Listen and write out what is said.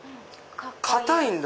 硬いんだ。